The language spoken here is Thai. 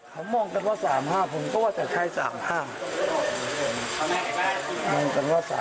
ผมมองกันว่า๓๕ผมก็ว่าจะใช้๓๕